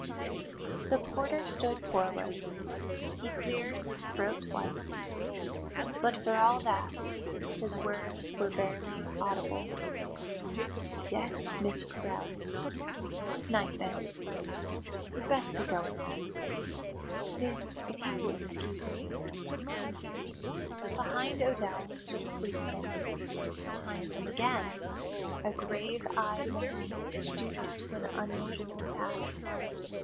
The porter stood forward. He cleared his throat twice, but for all that, his words were barely audible. "Yes, Miss Carryll. Good night, miss. You'd best be going on, miss, if you'll excuse " Behind O'Dell stood a policeman; behind him again, a grave eyed man stooped to an unusual task.